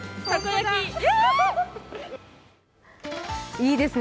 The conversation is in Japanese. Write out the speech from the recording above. いいですね。